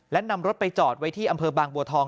และนำรถไปจอดไว้ที่อำเภอบางบัวทอง